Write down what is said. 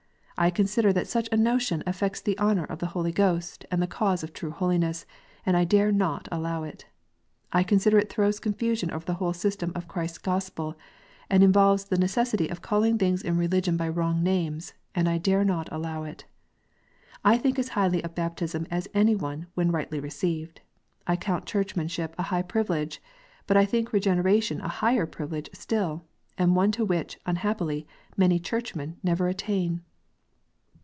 I consider that such a notion affects the honour of the Holy Ghost and the cause of true holiness, and I dare not allow it. I consider it throws confusion over the whole system of Christ s Gospel, and involves the necessity of calling things in religion by wrong names, and I dare not allow it. I think as highly of "baptism as any one when rightly received. I count Churchmanship a high privilege; but I think Regeneration a higher privilege still, and one to which, unhappily, many Churchmen never attain.